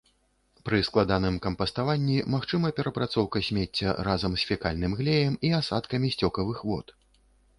Пры складаным кампаставанні магчыма перапрацоўка смецця разам з фекальным глеем і асадкамі сцёкавых вод.